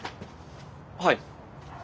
はい。